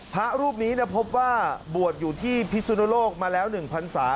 พระรูปนี้พบว่าบวชอยู่ที่พิสุนโลกมาแล้ว๑พันศา